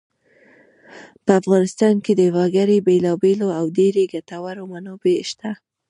په افغانستان کې د وګړي بېلابېلې او ډېرې ګټورې منابع شته.